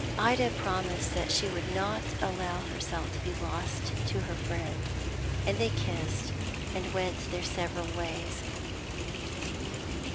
Ida promised that she would not allow herself to be lost to her friend, and they kissed, and went their several ways.